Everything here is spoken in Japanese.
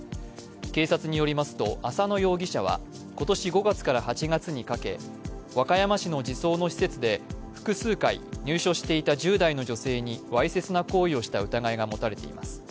警察によりますと浅野容疑者は今年５月から８月にかけ和歌山市の児相の施設で複数回、入所していた１０代の女性にわいせつな行為をした疑いが持たれています。